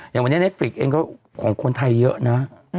อย่างวันนี้ในฟริกเองก็ของคนไทยเยอะนะ